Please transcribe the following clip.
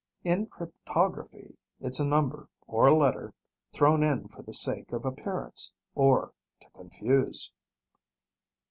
"In cryptography it's a number, or letter, thrown in for the sake of appearance, or to confuse."